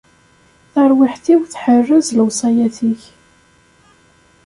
Tarwiḥt-iw tḥerrez lewṣayat-ik.